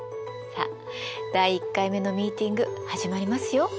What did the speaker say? さあ第１回目のミーティング始まりますよ。